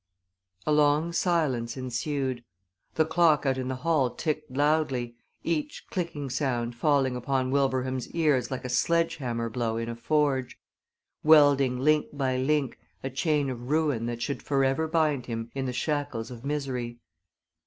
A long silence ensued. The clock out in the hall ticked loudly, each clicking sound falling upon Wilbraham's ears like a sledge hammer blow in a forge, welding link by link a chain of ruin that should forever bind him in the shackles of misery.